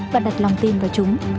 và đặt lòng tin vào chúng